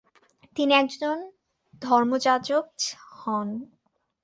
তিনি একজন ধর্মযাজক হন।